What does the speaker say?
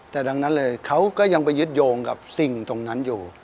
แต่ดังนั้นเลยเขาก็ยังไปยึดโยงกับสิ่งตรงนั้นอยู่